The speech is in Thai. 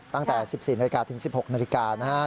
ตั้งแต่๑๔๑๖นาฬิกานะครับ